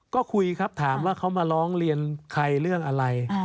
ก็คุยครับถามว่าเขามาร้องเรียนใครเรื่องอะไร